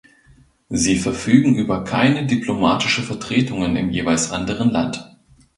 Sie verfügen über keine diplomatische Vertretungen im jeweils anderen Land.